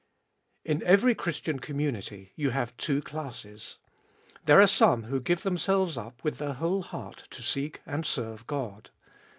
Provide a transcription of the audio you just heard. IN every Christian community you have two classes. There are some who give themselves up with their whole heart to seek and serve God.